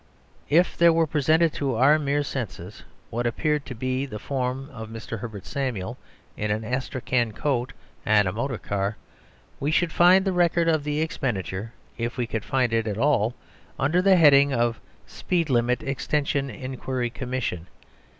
If there were presented to our mere senses what appeared to be the form of Mr. Herbert Samuel in an astrakhan coat and a motor car, we should find the record of the expenditure (if we could find it at all) under the heading of "Speed Limit Extension Enquiry Commission."